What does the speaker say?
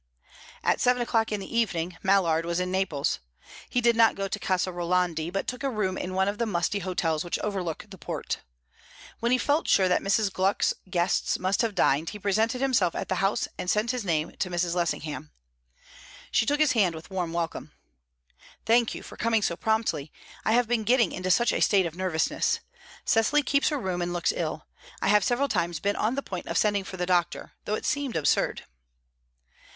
At seven o'clock in the evening, Mallard was in Naples. He did not go to Casa Rolandi, but took a room in one of the musty hotels which overlook the port. When he felt sure that Mrs. Gluck's guests must have dined, he presented himself at the house and sent his name to Mrs. Lessingham. She took his hand with warm welcome. "Thank you for coming so promptly. I have been getting into such a state of nervousness. Cecily keeps her room, and looks ill; I have several times been on the point of sending for the doctor, though it seemed absurd."